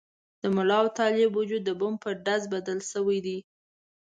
د ملا او طالب وجود د بم په ډز بدل شوي دي.